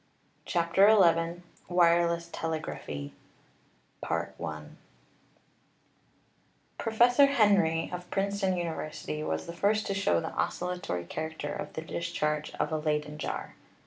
CHAPTER XI WIRELESS TELEGRAPHY Professor Henry, of Princeton University, was the first to show the oscillatory character of the discharge of a Leyden jar.